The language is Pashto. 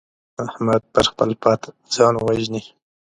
احمد پر خپل پت ځان وژني.